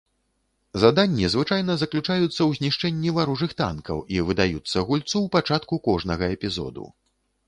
Заданні звычайна заключаюцца ў знішчэнні варожых танкаў і выдаюцца гульцу ў пачатку кожнага эпізоду.